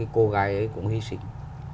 cô gái ấy cũng hy sinh